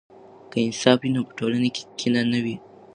که انصاف وي نو په ټولنه کې کینه نه وي.